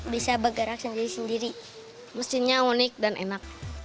bisa bergerak sendiri sendiri mesinnya unik dan enak